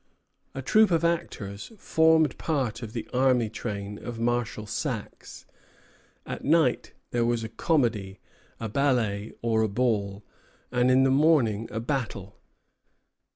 A troop of actors formed part of the army train of Marshal Saxe. At night there was a comedy, a ballet, or a ball, and in the morning a battle.